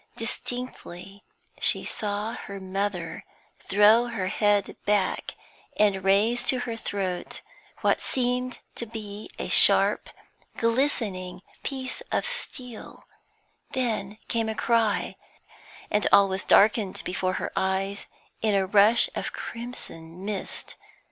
Distinctly she saw her mother throw her head back and raise to her throat what seemed to be a sharp, glistening piece of steel; then came a cry, and all was darkened before her eyes in a rush of crimson mist.